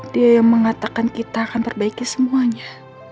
dia yang mengatakan kita akan perbaiki semuanya